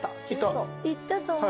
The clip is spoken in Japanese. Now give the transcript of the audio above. いったと思う。